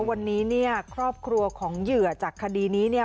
วันนี้เนี่ยครอบครัวของเหยื่อจากคดีนี้เนี่ย